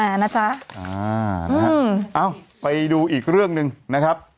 อ้าวไปดูอีกเรื่องหนึ่งนะครับ